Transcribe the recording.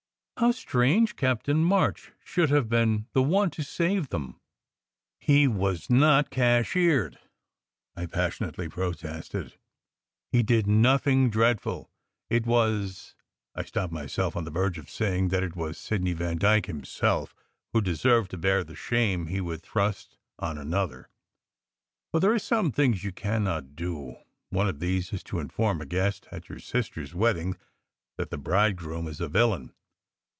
How strange Captain March should have been the one to save them !" "He was not cashiered," I passionately protested. "He did nothing dreadful. It was " I stopped myself on the verge of saying that it was Sidney Vandyke himself who deserved to bear the shame he would thrust on an other. But there are some things you cannot do ! One of these is to inform a guest at your sister s wedding that the bridegroom is a villain.